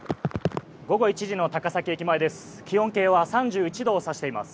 午後１時の高崎駅前です。